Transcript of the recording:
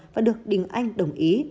và được đình anh đồng ý